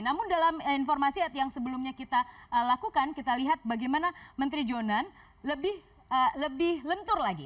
namun dalam informasi yang sebelumnya kita lakukan kita lihat bagaimana menteri jonan lebih lentur lagi